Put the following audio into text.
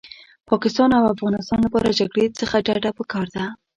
پاکستان او افغانستان لپاره جګړې څخه ډډه پکار ده